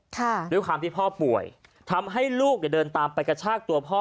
ด้วยความที่พ่อป่วยทำให้ลูกเนี่ยเดินตามไปกระชากตัวพ่อ